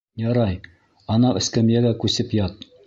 Ярай, анау эскәмйәгә күсеп ят.